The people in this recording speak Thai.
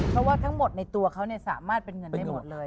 เพราะว่าทั้งหมดในตัวเขาสามารถเป็นเงินได้หมดเลย